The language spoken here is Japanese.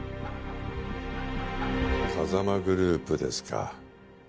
風間グループですか。